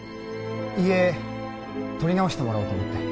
遺影撮り直してもらおうと思って。